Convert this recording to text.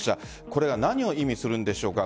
これが何を意味するんでしょうか。